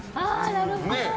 なるほど。